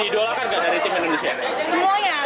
dan didolakan gak dari tim indonesia